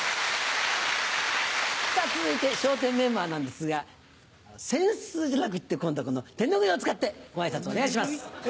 さぁ続いて笑点メンバーなんですが扇子じゃなくって今度はこの手拭いを使ってご挨拶お願いします。